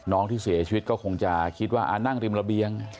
น้องที่เสียชีวิตก็คงจะคิดว่านั่งริมระเบียง